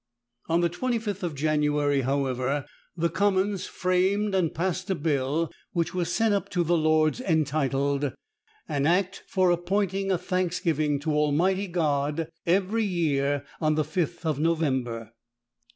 On the 25th of January, however, the commons framed and passed a bill, which was sent up to the lords, entitled, _"An Act for Appointing a Thanksgiving to Almighty God every year on the Fifth of November."